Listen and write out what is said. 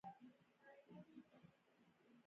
د شاعر او لیکوال په توګه وپیژندل شو په پښتو ژبه.